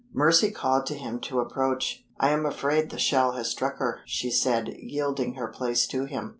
Mercy called to him to approach. "I am afraid the shell has struck her," she said, yielding her place to him.